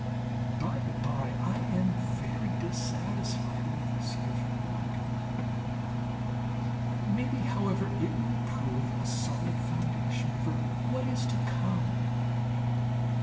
By the bye, I am very dissatisfied with this year's work; maybe, however, it will prove a sound foundation for what is to come.